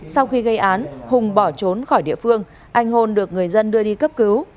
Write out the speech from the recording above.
sau khi gây án hùng bỏ trốn khỏi địa phương anh hôn được người dân đưa đi cấp cứu